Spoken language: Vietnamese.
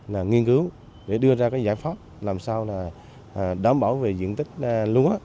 nghiên cứu để đưa ra cái giải pháp làm sao đảm bảo về diện tích lúa